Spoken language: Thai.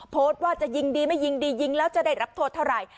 โพสต์ว่าจะยิงดีไม่ยิงดียิงแล้วจะได้รับโทษเท่าไหร่